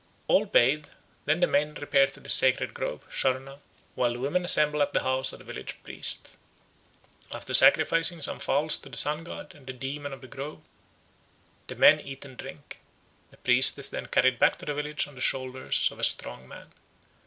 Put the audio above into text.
All bathe, then the men repair to the sacred grove (sarna), while the women assemble at the house of the village priest. After sacrificing some fowls to the Sun god and the demon of the grove, the men eat and drink. "The priest is then carried back to the village on the shoulders of a strong man.